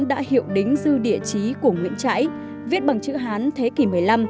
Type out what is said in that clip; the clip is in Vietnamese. đã hiệu đính dư địa trí của nguyễn trãi viết bằng chữ hán thế kỷ một mươi năm